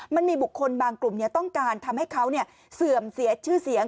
มันมีบุคคลบางกลุ่มต้องการทำให้เขาเสื่อมเสียชื่อเสียง